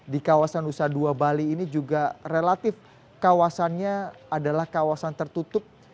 di kawasan nusa dua bali ini juga relatif kawasannya adalah kawasan tertutup